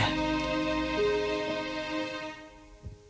mereka berdua berdua berdua berdua